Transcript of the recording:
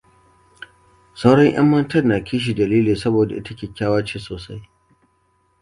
Sauran ʻyan matan na kishi da Lily saboda ita kyakkyawa ce sosai.